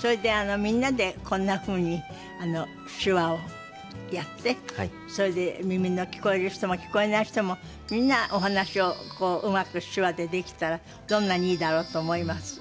それでみんなでこんなふうに手話をやってそれで耳の聞こえる人も聞こえない人もみんなお話をうまく手話でできたらどんなにいいだろうと思います。